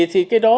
thì cái đó